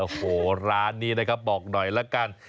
โอ้โหร้านนี้นะครับบอกหน่อยแล้วกันนะครับ